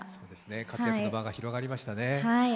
活躍の場が広がりましたね。